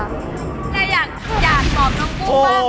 แล้วอยากตอบน้องกุ้งมาก